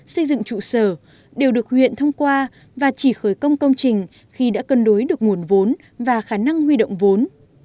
xây dựng trụ sở đều được huyện thông qua và chỉ khởi công công trình khi đã cân đối được nguồn vốn và khả năng huy động vốn